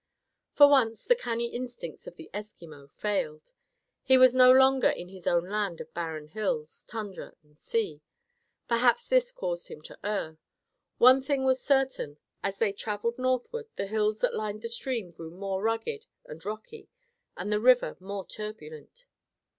For once the canny instincts of the Eskimo failed. He was no longer in his own land of barren hills, tundra and sea; perhaps this caused him to err. One thing was certain, as they traveled northward the hills that lined the stream grew more rugged and rocky, and the river more turbulent.